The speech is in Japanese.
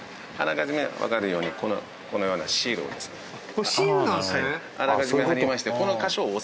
これシールなんですね